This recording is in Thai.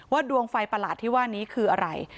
ดวงไฟประหลาดที่ว่านี้คืออะไร